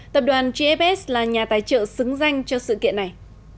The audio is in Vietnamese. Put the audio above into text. tập đoàn gfs là nhà tài trợ xứng danh cho sự kiện này